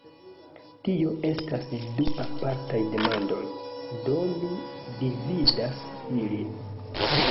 Tio estas du apartaj demandoj, do mi dividas ilin.